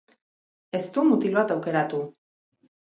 Ez du mutil bat aukeratu.